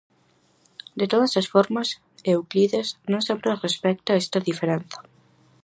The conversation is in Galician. De todas as formas, Euclides non sempre respecta esta diferenza.